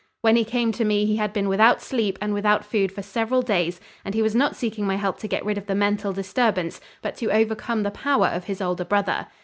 When he came to me he had been without sleep and without food for several days, and he was not seeking my help to get rid of the mental disturbance but to overcome the power of his older brother.